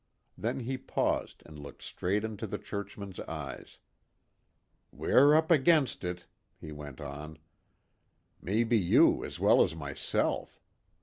Then he paused and looked straight into the churchman's eyes. "We're up against it," he went on. "Maybe you as well as myself.